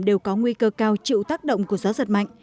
đều có nguy cơ cao chịu tác động của gió giật mạnh